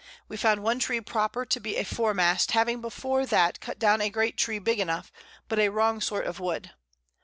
We found one Tree proper to be a Fore mast, having before that cut down a great Tree big enough, but a wrong sort of Wood.